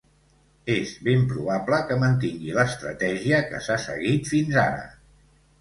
És ben probable que mantingui l’estratègia que s’ha seguit fins ara.